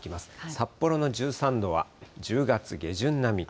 札幌の１３度は１０月下旬並み。